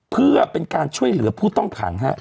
เพื่อเป็นการช่วยเหลือผู้ต้องขัง